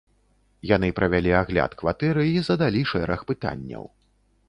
Яны правялі агляд кватэры і задалі шэраг пытанняў.